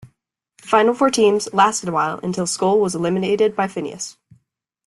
The final four teams lasted a while until Skull was eliminated by Phineas.